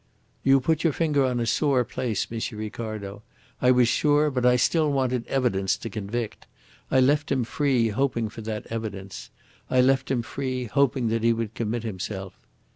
"You put your finger on a sore place, M. Ricardo. I was sure, but I still wanted evidence to convict. I left him free, hoping for that evidence. I left him free, hoping that he would commit himself.